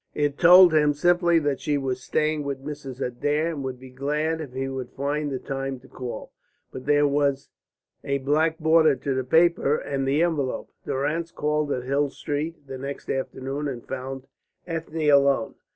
It told him simply that she was staying with Mrs. Adair, and would be glad if he would find the time to call; but there was a black border to the paper and the envelope. Durrance called at Hill Street the next afternoon and found Ethne alone.